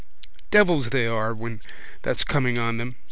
Devils they are when that's coming on them.